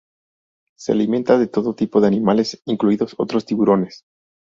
Se alimenta de todo tipo de animales, incluidos otros tiburones.